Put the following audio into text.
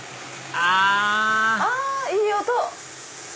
あいい音！